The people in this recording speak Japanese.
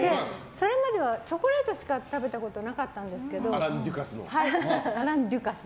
それまではチョコレートしか食べたことなかったんですけど。